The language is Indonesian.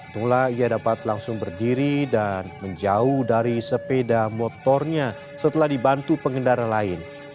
itulah ia dapat langsung berdiri dan menjauh dari sepeda motornya setelah dibantu pengendara lain